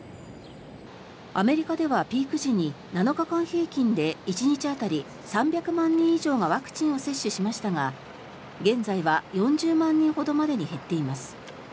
アメリカではピーク時に７日間平均で１日当たり３００万人以上がワクチンを接種しましたが現在は４０万人ほどまでに減っています。